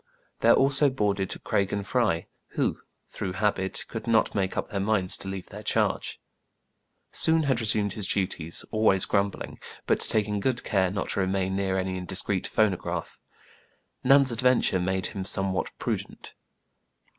There also boarded Craig and Fry, who, through habit, could not make up their minds to leave their charge. Soun had resumed his duties, always grumbling, but taking good care not to remain near any indiscreet phonograph. Nan's adventure made him some what prudent.